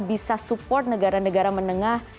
bisa support negara negara menengah